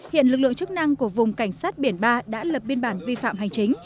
hiện lực lượng chức năng của vùng cảnh sát biển ba đã lập biên bản vi phạm hành chính